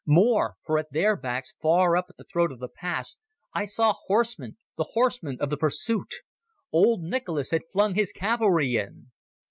More; for at their backs, far up at the throat of the pass, I saw horsemen—the horsemen of the pursuit. Old Nicholas had flung his cavalry in.